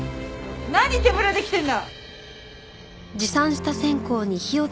何手ぶらで来てんだ！